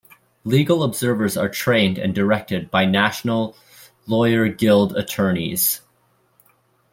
Legal Observers are trained and directed by National Lawyer Guild attorneys.